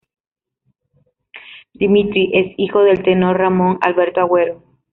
Dimitri es hijo del tenor Ramón Alberto Agüero.